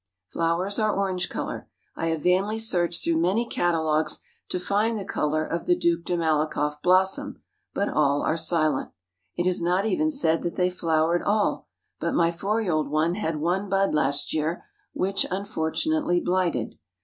Flowers are orange color. I have vainly searched through many catalogues to find the color of the Duc de Malakoff blossom, but all are silent; it is not even said that they flower at all, but my four year old had one bud last year, which unfortunately blighted.